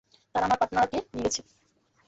তারা আমার পার্টরাকে নিয়ে গেছে।